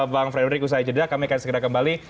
bang frederick usai jeda kami akan segera kembali